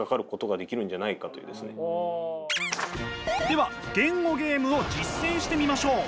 では言語ゲームを実践してみましょう！